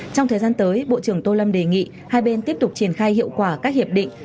trong thời gian tới bộ trưởng tô lâm đề nghị hai bên tiếp tục triển khai hiệu quả các hiệp định